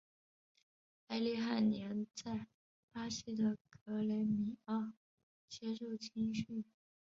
埃利早年在巴西的格雷米奥接受青训。